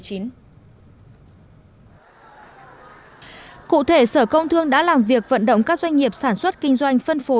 cụ thể sở công thương đã làm việc vận động các doanh nghiệp sản xuất kinh doanh phân phối